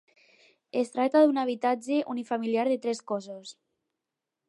Es tracta d'un habitatge unifamiliar de tres cossos.